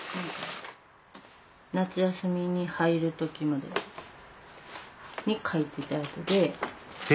夏休みに入る時までに書いてたやつで。